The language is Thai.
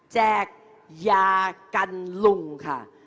แจกยากันลุงค่ะ